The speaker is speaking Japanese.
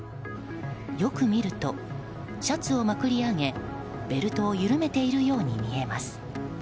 よく見ると、シャツをまくり上げベルトを緩めているように見えます。